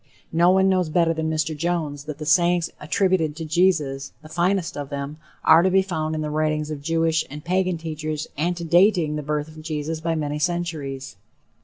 No one knows better than Mr. Jones that the sayings attributed to Jesus the finest of them are to be found in the writings of Jewish and Pagan teachers antedating the birth of Jesus by many centuries.